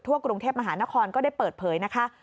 กรุงเทพมหานครก็ได้เปิดเผยนะคะ